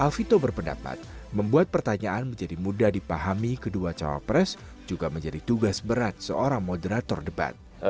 alvito berpendapat membuat pertanyaan menjadi mudah dipahami kedua cawapres juga menjadi tugas berat seorang moderator debat